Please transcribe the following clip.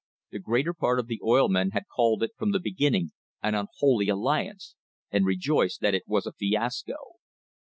The greater part of the oil men had called it from the beginning an "unholy alliance," and rejoiced that it was a fiasco.